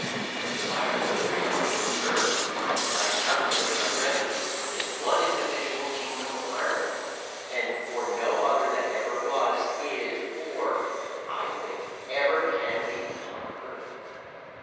I desire the reader will observe, that I calculate my remedy for this one individual Kingdom of Ireland, and for no other that ever was, is, or, I think, ever can be upon Earth.